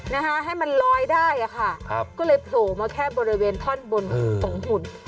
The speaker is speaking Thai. นะคะให้มันลอยได้อ่ะค่ะครับก็เลยโผล่มาแค่บริเวณท่อนบนของหุ่น